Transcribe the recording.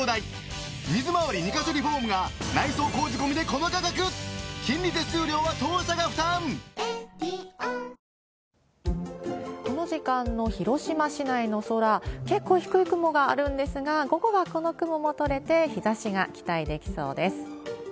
この週末は晴れて、気温が上昇しますが、この時間の広島市内の空、結構低い雲があるんですが、午後はこの雲も取れて、日ざしが期待できそうです。